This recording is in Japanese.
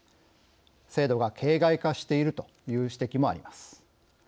制度が形骸化しているという指摘もあります。